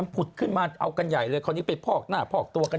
พอกน้ำใช่ไหมน้องที่เอาไปกัน